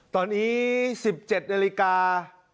ตอนนี้๑๗นาฬิกา